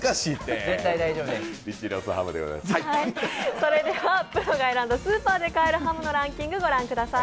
それではプロが選んだスーパーで買えるハムのランキング、御覧ください。